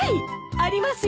ありますよ。